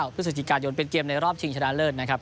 เพื่อสถิติการโยนเป็นเกมในรอบชิงชนะเลิศนะครับ